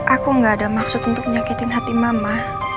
aku gak ada maksud untuk nyakitin hati mama